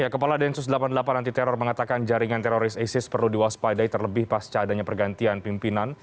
kepala densus delapan puluh delapan anti teror mengatakan jaringan teroris isis perlu diwaspadai terlebih pasca adanya pergantian pimpinan